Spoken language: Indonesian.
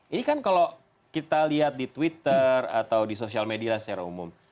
ini kan kalau kita lihat di twitter atau di sosial media secara umum